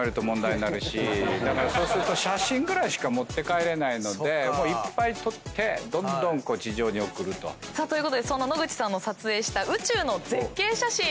そうすると写真ぐらいしか持って帰れないのでいっぱい撮ってどんどん地上に送ると。ということで野口さんの撮影した宇宙の絶景写真見てみましょう！